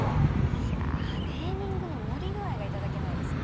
いやネーミングの盛り具合が頂けないですね。